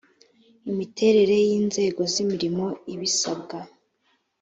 imiterere y inzego z imirimo ibisabwa